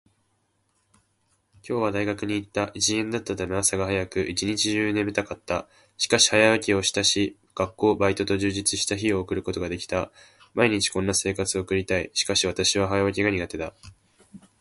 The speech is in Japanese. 私は今日大学に行った。一限だったため、朝が早く、一日中眠たかった。しかし、早起きをし、学校、バイトと充実した日を送ることができた。毎日こんな生活を送りたい。しかし私は早起きが苦手だ。